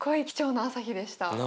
なあ。